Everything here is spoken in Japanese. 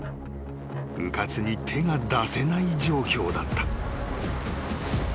［うかつに手が出せない状況だった］